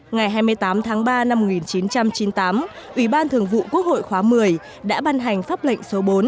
ngày hai mươi tám tháng ba năm một nghìn chín trăm chín mươi tám ủy ban thường vụ quốc hội khóa một mươi đã ban hành pháp lệnh số bốn